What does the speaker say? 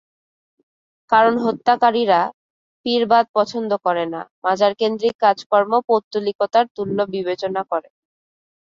কারণ হত্যাকারীরা পিরবাদ পছন্দ করে না, মাজারকেন্দ্রিক কাজকর্ম পৌত্তলিকতার তুল্য বিবেচনা করে।